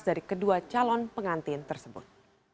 dari kedua calon pengantin tersebut